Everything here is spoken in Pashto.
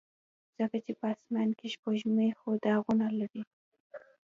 ځکه چې په اسمان کې سپوږمۍ خو داغونه لري.